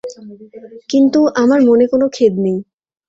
কিন্তু, আমার মনে কোনো খেদ নেই।